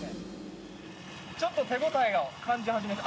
ちょっと手応えを感じ始めた。